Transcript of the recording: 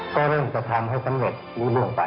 ก็เริ่มจะทำให้สำเร็จรู้ล่วงไป